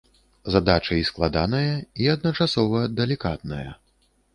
Задача і складаная, і адначасова далікатная.